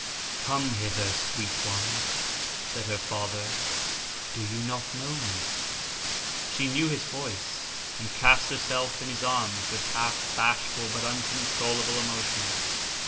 "Come hither, sweet one," said her father, "do you not know me?" she knew his voice, and cast herself in his arms with half bashful but uncontrollable emotion.